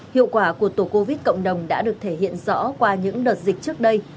hiệu quả của tổ covid cộng đồng đã được thể hiện rõ qua những đợt dịch trước đây